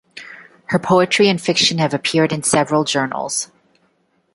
Her poetry and fiction have appeared in several journals.